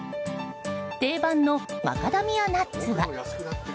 定番のマカダミアナッツは。